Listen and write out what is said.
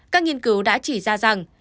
các nghiên cứu đã chỉ ra rằng